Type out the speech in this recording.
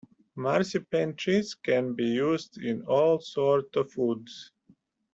Marscapone cheese can be used in all sorts of foods.